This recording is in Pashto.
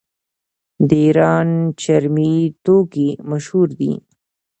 د ایران چرمي توکي مشهور دي.